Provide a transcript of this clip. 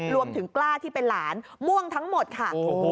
กล้าที่เป็นหลานม่วงทั้งหมดค่ะ